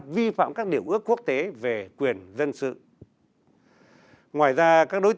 vi phạm các điều ước quốc